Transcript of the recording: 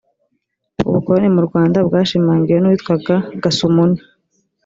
ubukoroni mu rwanda bwashimangiwe n’uwitwa gasumuni